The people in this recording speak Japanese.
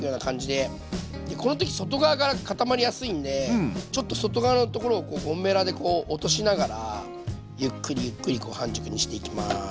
でこの時外側から固まりやすいんでちょっと外側のところをゴムべらでこう落としながらゆっくりゆっくり半熟にしていきます。